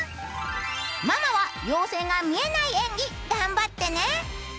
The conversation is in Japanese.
ママは妖精が見えない演技頑張ってね！